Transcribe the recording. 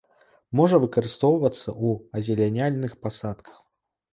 Можа выкарыстоўвацца ў азеляняльных пасадках.